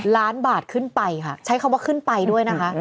ล้านบาทขึ้นไปค่ะใช้คำว่าขึ้นไปด้วยนะคะ